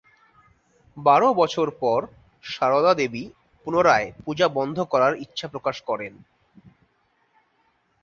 বারো বছর পর সারদা দেবী পুনরায় পূজা বন্ধ করবার ইচ্ছা প্রকাশ করেন।